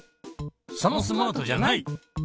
そのスマートじゃない！